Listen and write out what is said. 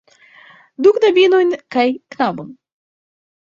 Du knabinojn kaj knabon.